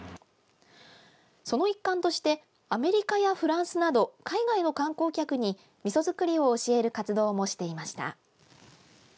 その一環としてアメリカやフランスなど海外の観光客に、みそ造りを教える活動もしていました。